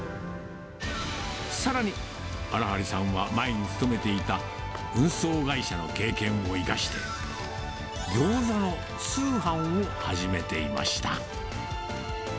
さらに、荒張さんは前に勤めていた運送会社の経験を生かして、ギョーザの通販を始めていました。